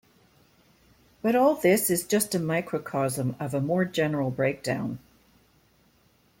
But all this is just a microcosm of a more general breakdown.